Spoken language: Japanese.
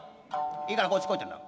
いいからこっち来いってんだ。